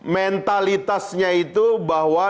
mentalitasnya itu bahwa